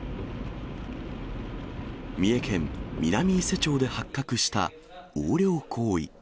三重県南伊勢町で発覚した、横領行為。